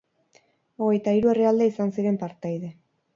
Hogeita hiru herrialde izan ziren partaide.